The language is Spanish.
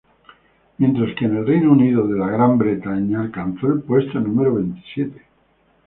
Mientras que en el Reino Unido alcanzó el puesto número veintisiete.